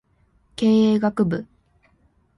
経営学部